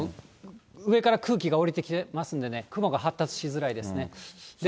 上から空気が下りてきてますんでね、雲が発達しづらいですね。